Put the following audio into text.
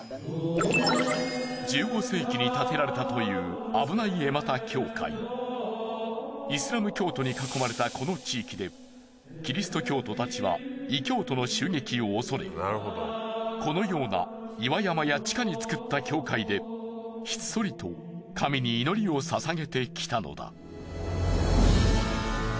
しかしいったいイスラム教徒に囲まれたこの地域でキリスト教徒たちは異教徒の襲撃を恐れこのような岩山や地下に造った教会でひっそりと神に祈りを捧げてきたのだ。